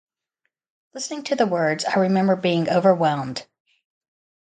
Listening to the words I remember being overwhelmed.